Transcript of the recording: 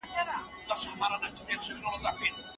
الله تعالی فرمايي دغه مبارک کتاب مي درباندي نازل کړی دی.